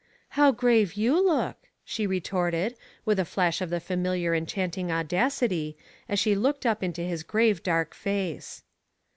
How grave you look," she retorted, with a flash of the familiar enchanting audacity, as she looked up into his grave dark face.